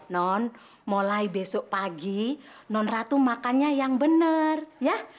non mulai besok pagi non ratu makannya yang benar ya